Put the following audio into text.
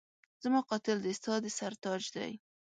زما قاتل دی ستا د سر تاج دی